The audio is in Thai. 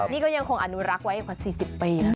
นี่ก็ยังคงอนุรักษ์ไว้กว่า๔๐ปีนะคะ